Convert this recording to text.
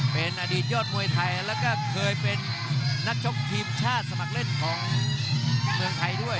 เป็นอดีตยอดมวยไทยแล้วก็เคยเป็นนักชกทีมชาติสมัครเล่นของเมืองไทยด้วย